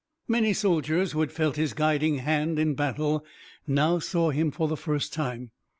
Many soldiers who had felt his guiding hand in battle now saw him for the first time.